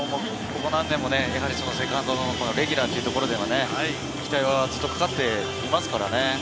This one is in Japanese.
ここ何年もセカンドのレギュラーというところでは期待はずっとかかっていますからね。